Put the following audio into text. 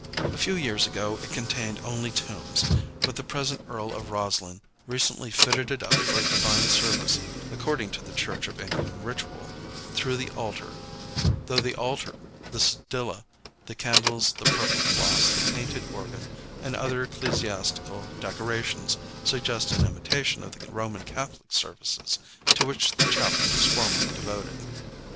A few years ago, it contained only tombs; but the present Earl of Roslyn recently fitted it up for a divine service, according to the Church of England ritual, though the altar, the sedilia, the candles, the purple cloths, the painted organ, and other ecclesiastical decorations suggest an imitation of the Roman Catholic services, to which the chapel was formerly devoted.